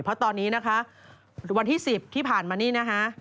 เพราะตอนนี้นะคะวันที่๑๐ที่ผ่านมานี่นะคะ